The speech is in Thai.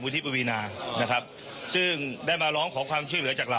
ที่ปวีนานะครับซึ่งได้มาร้องขอความช่วยเหลือจากเรา